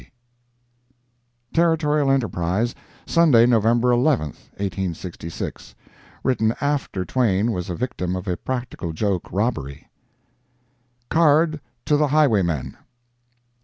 T. Territorial Enterprise, Sunday, November 11, 1866.] [written after Twain was a victim of a practical joke robbery] CARD TO THE HIGHWAYMEN.